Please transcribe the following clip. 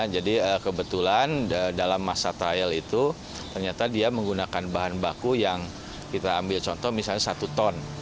kebetulan dalam masa trial itu ternyata dia menggunakan bahan baku yang kita ambil contoh misalnya satu ton